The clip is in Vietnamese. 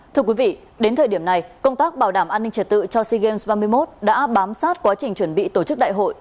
thưa quý vị đến thời điểm này công tác bảo đảm an ninh trật tự cho sea games ba mươi một đã bám sát quá trình chuẩn bị tổ chức đại hội